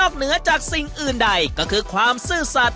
แล้วก็จุดถูกกัญญา